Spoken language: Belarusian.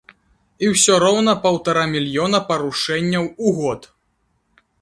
І ўсё роўна паўтара мільёна парушэнняў у год.